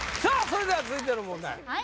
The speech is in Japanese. それでは続いての問題